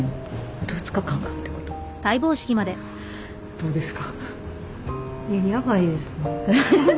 どうですか？